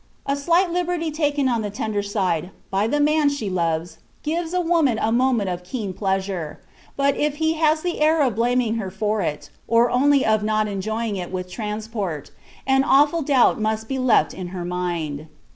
A slight liberty taken on the tender side by the man she loves gives a woman a moment of keen pleasure, but if he has the air of blaming her for it, or only of not enjoying it with transport, an awful doubt must be left in her mind.